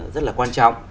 rất là quan trọng